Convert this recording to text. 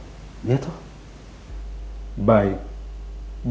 baik kalau itu yang kamu inginkan